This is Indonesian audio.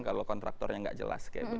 kalau kontraktornya gak jelas kayak begini